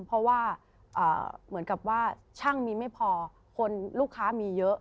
เพราะว่าเหมือนกับว่าช่างมีไม่พอคนลูกค้ามีเยอะ